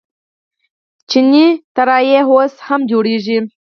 چیني الوتکې هم اوس جوړیږي.